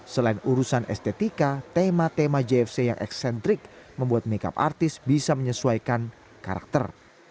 selain urusan estetika tema tema jfc yang eksentrik membuat makeup artis bisa menyesuaikan karakter